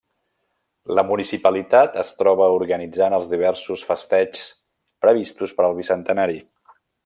La municipalitat es troba organitzant els diversos festeigs previstos per al bicentenari.